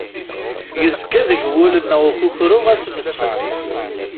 Yezga deg wul-nneɣ ukukru ɣas nessen.